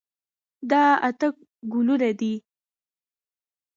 دا اته ګلونه دي.